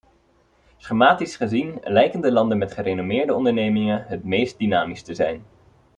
Schematisch gezien lijken de landen met gerenommeerde ondernemingen het meest dynamisch te zijn.